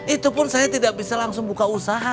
itu pun saya tidak bisa langsung buka usaha